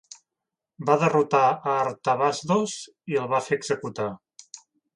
Va derrotar a Artabasdos i el va fer executar.